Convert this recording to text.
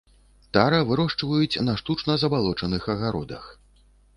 Тара вырошчваюць на штучна забалочаных агародах.